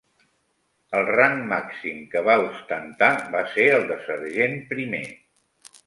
El rang màxim que va ostentar va ser el de sergent primer.